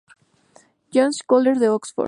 John's College de Oxford.